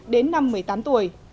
đến năm một mươi tám tuổi